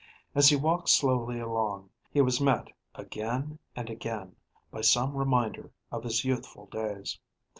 As he walked slowly along, he was met again and again by some reminder of his youthful days.